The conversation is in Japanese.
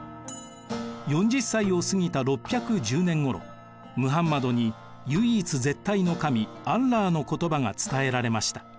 ４０歳を過ぎた６１０年ごろムハンマドに唯一絶対の神アッラーの言葉が伝えられました。